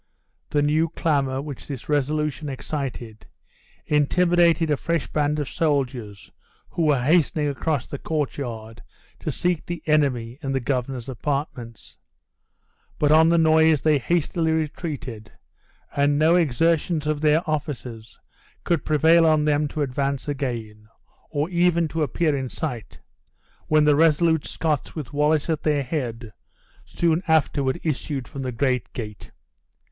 The new clamor which this resolution excited, intimidated a fresh band of soldiers, who were hastening across the courtyard to seek the enemy in the governor's apartments. But on the noise they hastily retreated, and no exertions of their officers could prevail on them to advance again, or even to appear in sight, when the resolute Scots with Wallace at their head soon afterward issued from the great gate!